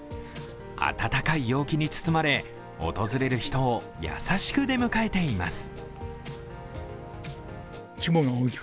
暖かい陽気に包まれ、訪れる人を優しく出迎えています。